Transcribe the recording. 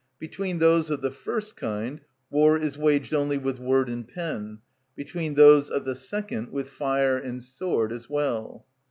Between those of the first kind war is waged only with word and pen; between those of the second with fire and sword as well.